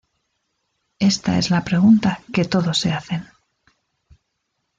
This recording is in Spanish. Esta es la pregunta que todos se hacen.